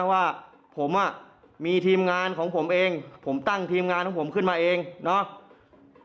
ว่าผมอ่ะมีทีมงานของผมเองผมตั้งทีมงานของผมขึ้นมาเองเนาะ